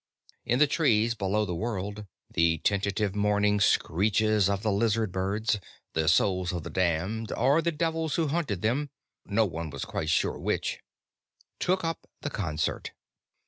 In the trees below the world, the tentative morning screeches of the lizard birds the souls of the damned, or the devils who hunted them, no one was quite sure which took up the concert.